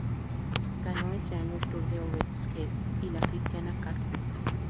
Ganó ese año el Tour de Overijssel y la Christiana Care Cup.